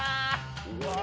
うわ！